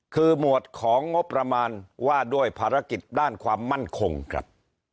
คือหมวดของงบประมาณว่าด้วยภารกิจด้านความมั่นคงครับ